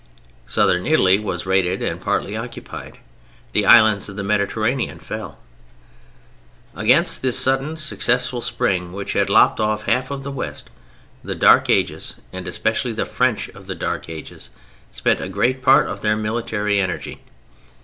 Southern Italy was raided and partly occupied. The islands of the Mediterranean fell. Against this sudden successful spring which had lopped off half of the West, the Dark Ages, and especially the French of the Dark Ages, spent a great part of their military energy.